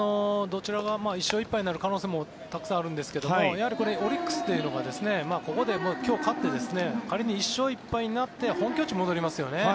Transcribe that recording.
１勝１敗になる可能性もたくさんあるんですけどオリックスというのがここで今日勝って仮に１勝１敗になって本拠地に戻りますよね。